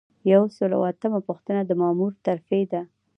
یو سل او اتمه پوښتنه د مامور ترفیع ده.